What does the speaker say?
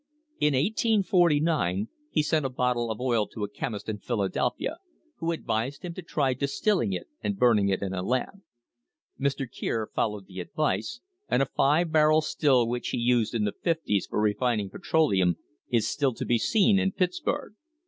In 1849 he sent a bottle of oil to a chemist in Philadelphia, who advised him to try dis tilling it and burning it in a lamp. Mr. Kier followed the advice, and a five barrel still which he used in the fifties for refining petroleum is still to be seen in Pittsburg.